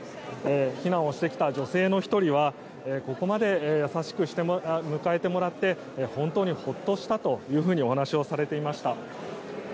避難をしてきた女性の１人はここまで優しく迎えてもらって本当にほっとしたとお話をされていました。